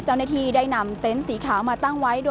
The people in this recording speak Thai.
เจ้าหน้าที่ได้นำเต็นต์สีขาวมาตั้งไว้